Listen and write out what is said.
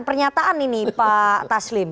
pernyataan ini pak taslim